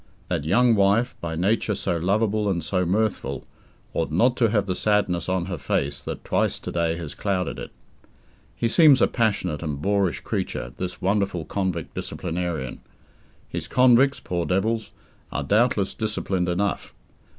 That young wife, by nature so lovable and so mirthful, ought not to have the sadness on her face that twice to day has clouded it. He seems a passionate and boorish creature, this wonderful convict disciplinarian. His convicts poor devils are doubtless disciplined enough.